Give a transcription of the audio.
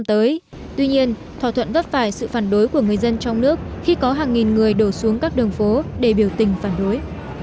tuy nhiên thỏa thuận vấp phải sự phản đối của người dân trong nước khi có hàng nghìn người đổ xuống các đường phố để biểu tình phản đối